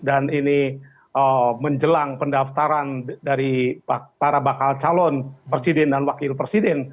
dan ini menjelang pendaftaran dari para bakal calon presiden dan wakil presiden